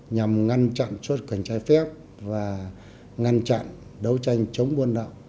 nhằm ngăn chặn suốt cảnh trái phép và ngăn chặn đấu tranh chống buôn đậu